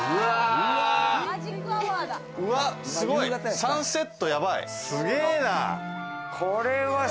サンセット、やばい！